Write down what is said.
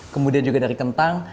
kemudian juga dari kentang